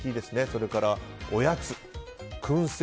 それから、おやつ、燻製